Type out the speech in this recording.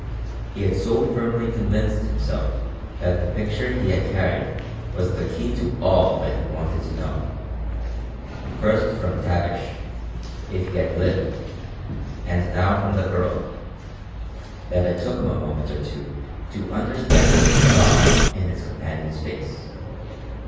He had so firmly convinced himself that the picture he had carried was the key to all that he wanted to know first from Tavish, if he had lived, and now from the girl that it took him a moment or two to understand what he saw in his companion's face.